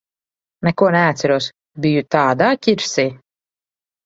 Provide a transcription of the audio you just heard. Neko neatceros. Biju tādā ķirsī.